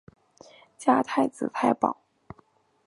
加太子太保。